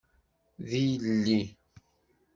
D illi.